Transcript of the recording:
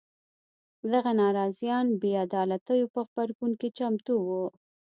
دغه ناراضیان بې عدالیتو په غبرګون کې چمتو وو.